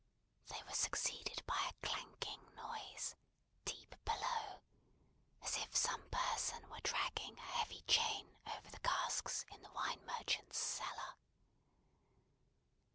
They were succeeded by a clanking noise, deep down below; as if some person were dragging a heavy chain over the casks in the wine merchant's cellar.